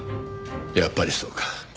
やっぱりそうか。